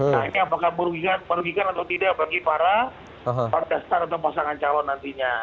nah ini apakah merugikan atau tidak bagi para kontestan atau pasangan calon nantinya